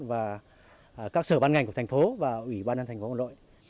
và các sở ban ngành của thành phố và ủy ban nhân thành phố hà nội